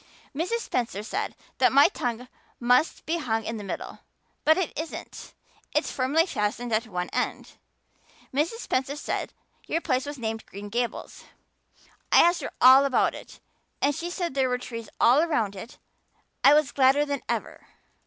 "Mrs. Spencer said that my tongue must be hung in the middle. But it isn't it's firmly fastened at one end. Mrs. Spencer said your place was named Green Gables. I asked her all about it. And she said there were trees all around it. I was gladder than ever.